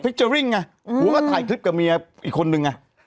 ผัวก็ถ่ายคลิปกับเมียอีกคนหนึ่ง